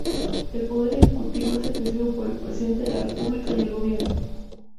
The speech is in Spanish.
El poder ejecutivo es ejercido por el Presidente de la República y el Gobierno.